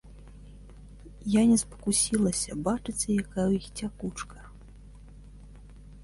Я не спакусілася, бачыце, якая ў іх цякучка?